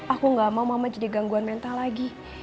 aku gak mau mama jadi gangguan mental lagi